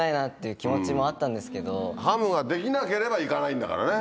ハムができなければ行かないんだからね。